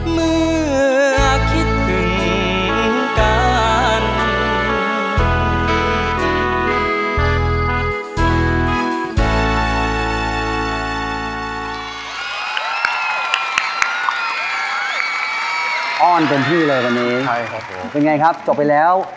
เมื่อคิดถึงกัน